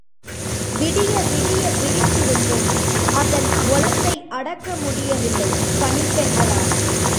விடிய விடிய விழித்திருந்தும், அதன் ஒலத்தை அடக்க முடியவில்லை, பணிப்பெண்களால்.